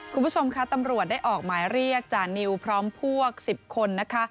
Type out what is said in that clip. คุณผู้ชมค่ะตำรวจได้ออกหมายเรียกจานิวพร้อมพวก๑๐คนนะคะ